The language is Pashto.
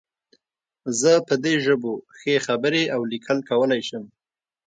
زه په دې ژبو ښې خبرې او لیکل کولی شم